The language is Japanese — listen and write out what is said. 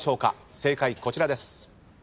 正解こちらです。